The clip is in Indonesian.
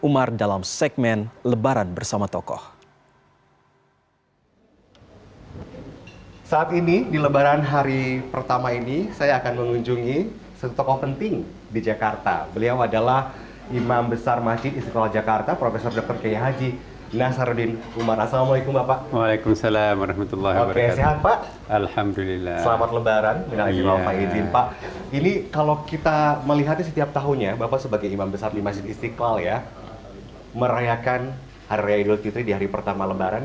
merayakan hari raya idul fitri di hari pertama lembaran